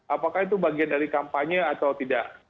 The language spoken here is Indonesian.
apakah itu bagian dari kampanye atau tidak